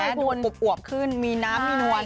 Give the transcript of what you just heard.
เห็นมั้ยหนุ่มปุบอวบขึ้นมีน้ำมีนวล